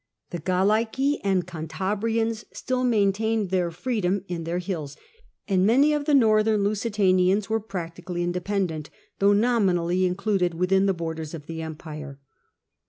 The Galseci and Canta brians still maintained their freedom in their hills, and many of the northern Lusitanians were practically inde pendent, though nominally included within the borders of the empire.